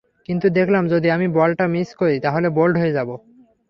কিন্তু দেখলাম যদি আমি বলটা মিস করি, তাহলে বোল্ড হয়ে যাব।